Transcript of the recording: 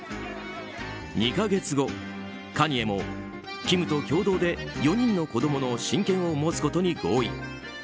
２か月後、カニエもキムと共同で４人の子供の親権を持つことに合意。